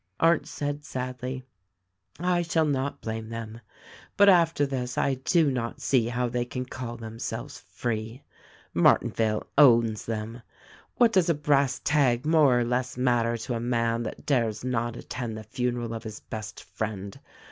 Arndt said sadly: "I shall not blame them; but after this I do not see how they can call themselves free. Martinvale owns them. What does a brass tag more or less matter to a man that dares not attend the funeral of his best friend.